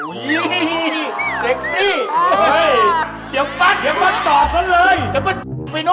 อุ๊ยเซ็กซี่เดี๋ยวปั๊ดเดี๋ยวปั๊ดตอบฉันเลย